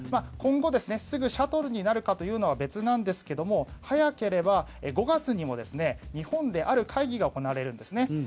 今後、すぐシャトルになるかというのは別なんですが早ければ５月にも日本である会議が行われるんですね。